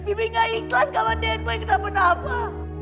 bibi nggak ikhlas kalau den boy kena pun apa